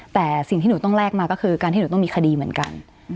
แต่สิ่งที่หนูต้องแลกมาก็คือการที่หนูต้องมีคดีเหมือนกัน